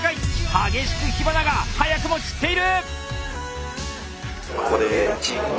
激しく火花が早くも散っている！